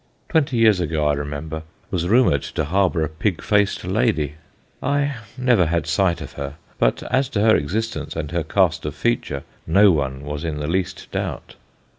Twenty years ago, I remember, an old house opposite the church was rumoured to harbour a pig faced lady. I never had sight of her, but as to her existence and her cast of feature no one was in the least doubt.